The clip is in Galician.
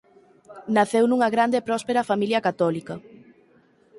Naceu nunha grande e próspera familia católica.